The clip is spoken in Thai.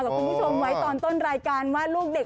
คุณผู้ชมไว้ตอนต้นรายการว่าลูกเด็ก